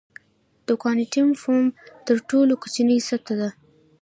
د کوانټم فوم تر ټولو کوچنۍ سطحه ده.